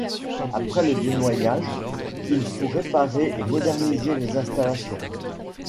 Après le dénoyage, il faut réparer et moderniser les installations.